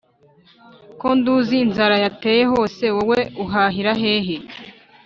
ko nduzi inzara yateye hose, wowe uhahira hehe